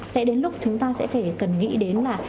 sẽ đến lúc chúng ta sẽ phải cần nghĩ đến là